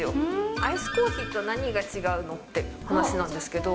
アイスコーヒーと何が違うのって話なんですけど。